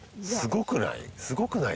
すごくない？